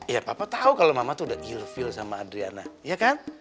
ya papa tau kalau mama tuh udah il feel sama adriana ya kan